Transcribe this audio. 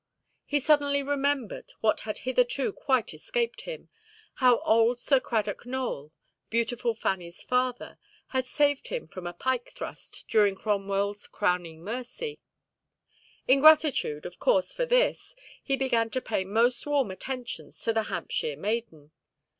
He suddenly remembered, what had hitherto quite escaped him, how old Sir Cradock Nowell—beautiful Fannyʼs father—had saved him from a pike–thrust during Cromwellʼs "crowning mercy". In gratitude, of course, for this, he began to pay most warm attentions to the Hampshire maiden.